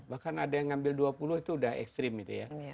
bahkan ada yang ngambil dua puluh itu udah ekstrim itu ya